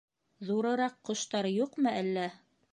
— Ҙурыраҡ ҡоштар юҡмы әллә?